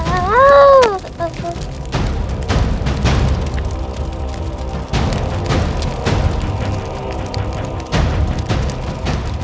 ya allah dewa